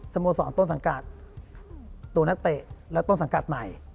โมสรต้นสังกัดตัวนักเตะและต้นสังกัดใหม่